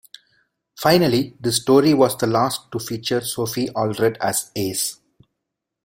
Finally, this story was the last to feature Sophie Aldred as Ace.